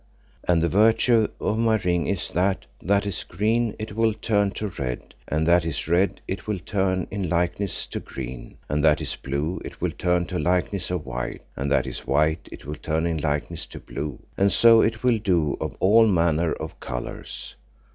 And the virtue of my ring is that, that is green it will turn to red, and that is red it will turn in likeness to green, and that is blue it will turn to likeness of white, and that is white it will turn in likeness to blue, and so it will do of all manner of colours.